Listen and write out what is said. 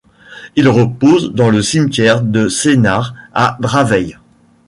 Il repose dans le cimetière de Sénart à Draveil.